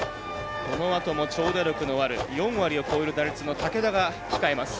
このあとも長打力のある４割を超える打率の武田が控えます。